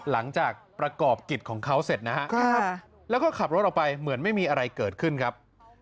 หลังจากประกอบกิจของเขาเสร็จนะฮะแล้วก็ขับรถออกไปเหมือนไม่มีอะไรเกิดขึ้นครับ